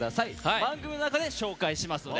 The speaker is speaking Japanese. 番組の中で紹介しますので。